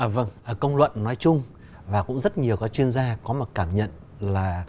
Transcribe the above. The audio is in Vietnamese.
vâng công luận nói chung và cũng rất nhiều các chuyên gia có một cảm nhận là